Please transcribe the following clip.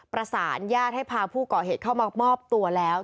ประสานญาติให้พาผู้ก่อเหตุเข้ามามอบตัวแล้ว